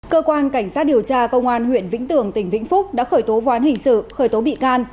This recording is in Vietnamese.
cơ quan cảnh sát điều tra công an huyện vĩnh tường tỉnh vĩnh phúc đã khởi tố ván hình sự khởi tố bị can